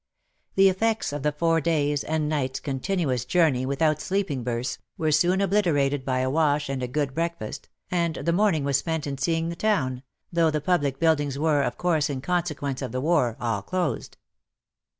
The effects of the four days' and nights' continuous journey without sleeping berths, were soon obliterated by a wash and a good breakfast, and the morning was spent in seeing the town, though the public buildings were, of course, in consequence of the war, all closed.